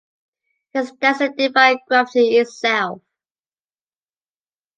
His dancing defied gravity itself.